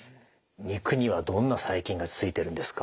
肉にはどんな細菌がついてるんですか？